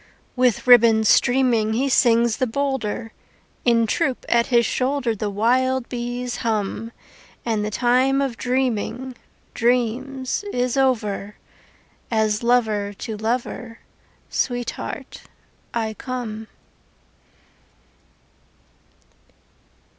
With ribbons streaming He sings the bolder; In troop at his shoulder The wild bees hum. And the time of dreaming Dreams is over As lover to lover, Sweetheart, I come.